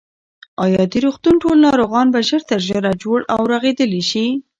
ایا د روغتون ټول ناروغان به ژر تر ژره جوړ او رغېدلي شي؟